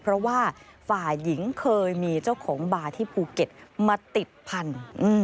เพราะว่าฝ่ายหญิงเคยมีเจ้าของบาร์ที่ภูเก็ตมาติดพันธุ์